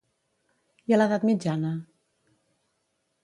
I a l'edat mitjana?